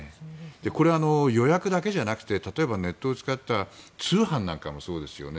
これ、予約だけじゃなくて例えば、ネットを使った通販なんかもそうですよね。